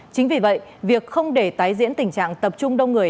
chính vì vậy việc không để tái diễn tình trạng tập trung đông người